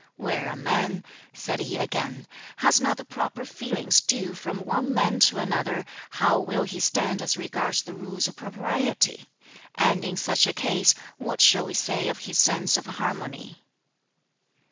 "Where a man," said he again, "has not the proper feelings due from one man to another, how will he stand as regards the Rules of Propriety? And in such a case, what shall we say of his sense of harmony?"